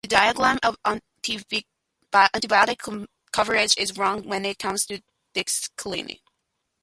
The diagram of antibiotic coverage is wrong when it comes to doxycycline.